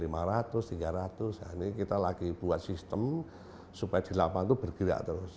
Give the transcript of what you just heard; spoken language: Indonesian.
nah ini kita lagi buat sistem supaya di lapangan itu bergerak terus